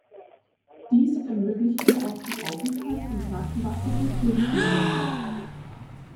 Dies ermöglicht ihr auch den Aufenthalt im Brackwasser von Flussmündungen.